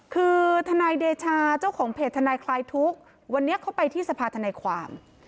คือทนายเดชาเจ้าของเพจทนายคลายทุกข์วันนี้เข้าไปที่สภาธนายความ